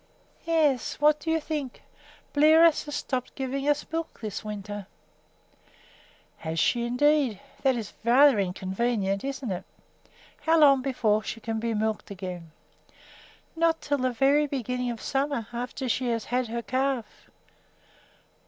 "Yes; what do you think! Bliros has stopped giving us milk this winter." "Has she, indeed! That is rather inconvenient, isn't it? How long before she can be milked again?" "Not until the beginning of summer, after she has had her calf."